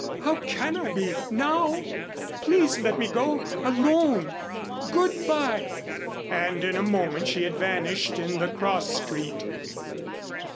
How can I be now? Please let me go alone. Good by!" And in a moment she had vanished in the cross street.